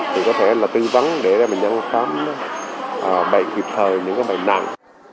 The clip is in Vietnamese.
thì có thể là tư vấn để cho bệnh nhân khám bệnh kịp thời những bệnh nặng